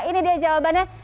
ini dia jawabannya